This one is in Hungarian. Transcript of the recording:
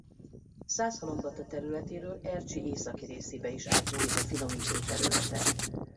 Százhalombatta területéről Ercsi északi részébe is átnyúlik a finomító területe.